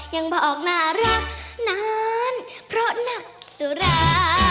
ยังบอกน่ารักนานเพราะนักสุรา